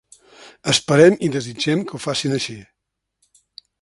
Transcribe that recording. Esperem i desitgem que ho facin així.